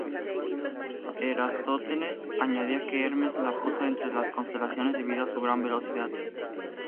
Eratóstenes añadía que Hermes la puso entre las constelaciones debido a su gran velocidad.